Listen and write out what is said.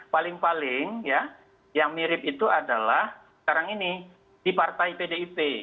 paling paling ya yang mirip itu adalah sekarang ini di partai pdip